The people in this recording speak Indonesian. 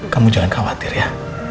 kamu jangan khawatir ya